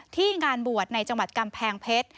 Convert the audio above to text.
งานบวชในจังหวัดกำแพงเพชร